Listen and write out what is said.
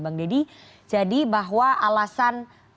jadi jadi bahwa alasan